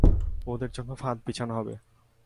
ওদের জন্য ফাঁদ বিছানো হবে।